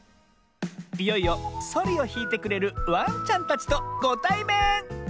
いよいよそりをひいてくれるワンちゃんたちとごたいめん！